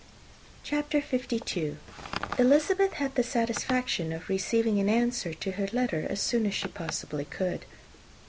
] CHAPTER LII. Elizabeth had the satisfaction of receiving an answer to her letter as soon as she possibly could.